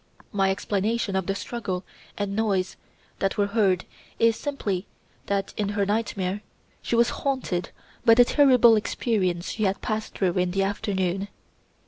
My explanation of the struggle and noise that were heard is simply that in her nightmare she was haunted by the terrible experience she had passed through in the afternoon.